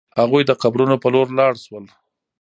هغوی د قبرونو په لور لاړ شول.